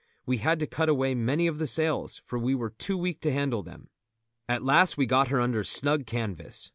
We had to cut away many of the sails, for we were too weak to handle them. At last we got her under snug canvas.